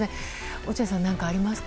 落合さん、何かありますか？